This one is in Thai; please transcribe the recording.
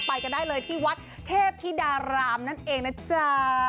ไปกันได้เลยที่วัดเทพธิดารามนั่นเองนะจ๊ะ